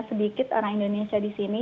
sedikit orang indonesia di sini